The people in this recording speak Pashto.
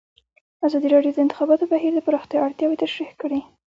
ازادي راډیو د د انتخاباتو بهیر د پراختیا اړتیاوې تشریح کړي.